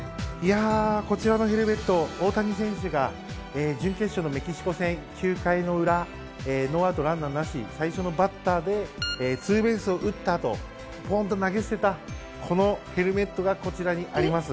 こちらのヘルメット大谷選手が準決勝のメキシコ戦９回の裏ノーアウト、ランナーなし最初のバッターでツーベースを打ったあとポーンと投げ捨てたこのヘルメットがこちらにあります。